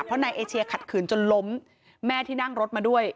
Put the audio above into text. เพราะนายเอเชียขัดขืนจนล้มแม่ที่นั่งรถมาด้วย